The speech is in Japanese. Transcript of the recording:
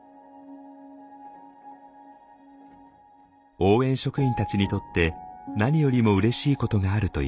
応援職員たちにとって何よりもうれしいことがあるといいます。